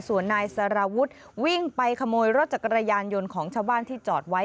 ส่วนนายสารวุฒิวิ่งไปขโมยรถจักรยานยนต์ของชาวบ้านที่จอดไว้